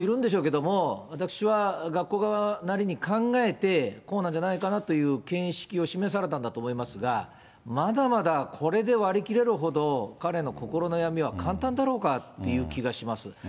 納得される方もいるんでしょうけど、私は学校側なりに考えて、こうなんじゃないかなっていう見識を示されたんだと思いますが、まだまだこれで割り切れるほど、彼の心の闇は簡単だろうかっていう気がします。